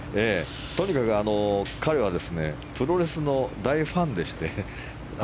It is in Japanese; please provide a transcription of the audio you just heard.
とにかく彼はプロレスの大ファンでして。